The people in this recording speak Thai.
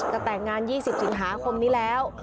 แต่งงาน๒๐สิงหาคมนี้แล้ว